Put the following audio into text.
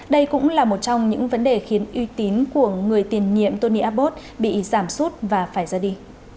đây cũng là một trong những vấn đề khiến uy tín của người tiền nhiệm tony abot bị giảm sút và phải ra đi